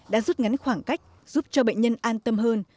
đã rút ngắn khoảng cách giúp cho bệnh nhân an tâm hơn